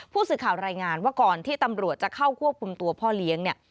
ผู้สื่อข่าวรายงานว่าก่อนที่ตำรวจจะเข้าควบคุมตัวพ่อเลี้ยงเนี่ย